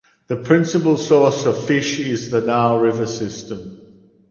The principal source of fish is the Nile River system.